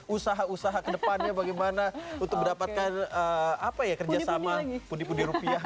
usaha usaha kedepannya bagaimana untuk mendapatkan apa ya kerjasama pun di rupiah